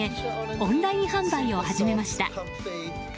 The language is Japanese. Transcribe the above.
オンライン販売を始めました。